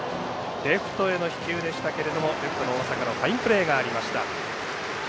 レフトへの飛球でしたけれどもレフトの大坂のファインプレーがありました。